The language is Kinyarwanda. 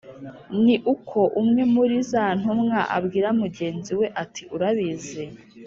ni uko umwe muri za ntumwa abwira mugenzi we ati"urabizi